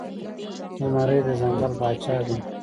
زمری د ځنګل پاچا بلل کیږي